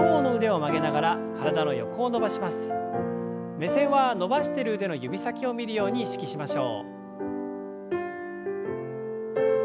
目線は伸ばしている腕の指先を見るように意識しましょう。